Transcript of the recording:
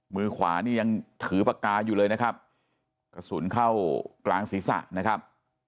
มือขวานี่ยังถือปากกาอยู่เลยนะครับกระสุนเข้ากลางศีรษะนะครับ